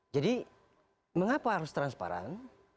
jadi mengapa harus transparan